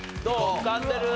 浮かんでる？